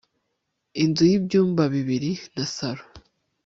inzu yibyumba bibiri nasaro